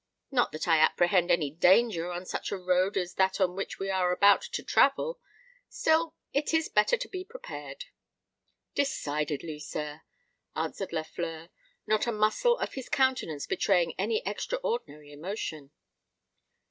Not that I apprehend any danger on such a road as that on which we are about to travel; still it is better to be prepared." "Decidedly, sir," answered Lafleur, not a muscle of his countenance betraying any extraordinary emotion.